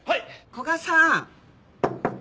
古雅さん！